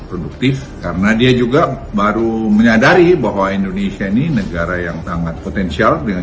produktif karena dia juga baru menyadari bahwa indonesia ini negara yang sangat potensial dengan